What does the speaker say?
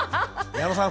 矢野さん